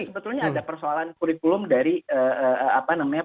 sebetulnya ada persoalan kurikulum dari apa namanya